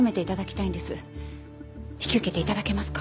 引き受けて頂けますか？